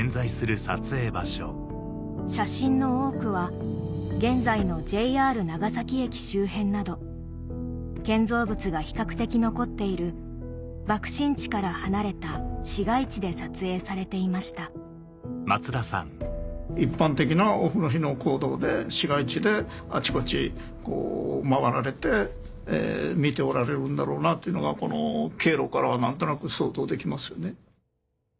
写真の多くは現在のＪＲ長崎駅周辺など建造物が比較的残っている爆心地から離れた市街地で撮影されていました一般的なオフの日の行動で市街地であちこち回られて見ておられるんだろうなというのがこの経路から何となく想像できますよね。